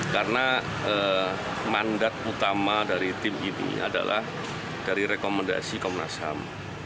karena mandat utama dari tim ini adalah dari rekomendasi komnas ham